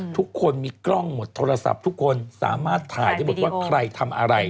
ทุกคนมีกล้องหมดโทรศัพท์ทุกคนสามารถถ่ายได้หมดว่าใครทำอะไร